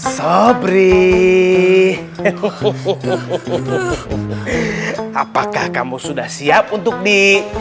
sobri apakah kamu sudah siap untuk di